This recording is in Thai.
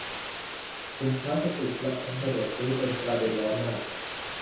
ถุงพลาสติกร้านสะดวกซื้อเป็นประเด็นร้อนมาก